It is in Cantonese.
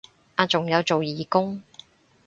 啊仲有做義工